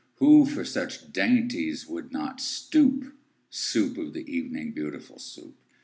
Who for such dainties would not stoop? Soup of the evening, beautiful Soup!